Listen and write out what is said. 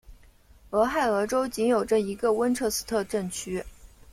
俄亥俄州仅有这一个温彻斯特镇区。